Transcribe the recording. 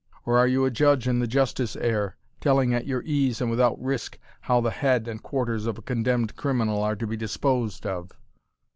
or are you a judge in the justice air, telling at your ease and without risk, how the head and quarters of a condemned criminal are to be disposed of?"